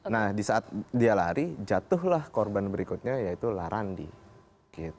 nah di saat dia lari jatuhlah korban berikutnya yaitu larandi